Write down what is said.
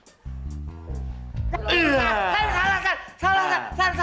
salah san saya salah salah salah salah